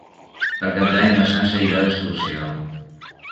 Per Cap d'Any na Sança irà d'excursió.